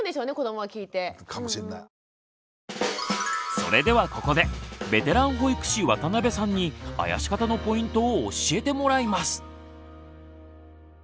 それではここでベテラン保育士渡邊さんにあやし方のポイントを教えてもらいます。